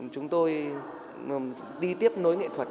chúng tôi đi tiếp nối nghệ thuật